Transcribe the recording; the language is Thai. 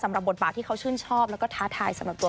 บทบาทที่เขาชื่นชอบแล้วก็ท้าทายสำหรับตัว